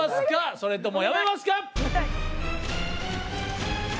それともやめますか？